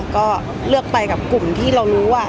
ก็เลือกไปกับกลุ่มที่เรารู้ว่า